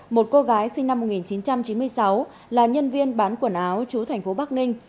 một cô gái sinh năm một nghìn chín trăm chín mươi sáu là nhân viên bán quần áo trú thành phố bắc ninh